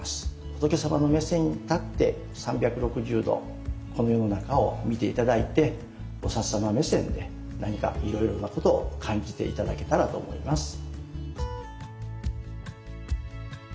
仏様の目線に立って３６０度この世の中を見て頂いて菩様目線で何かいろいろなことを感じて頂けたらと思います。